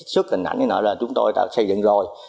xuất hình ảnh như thế nào là chúng tôi đã xây dựng rồi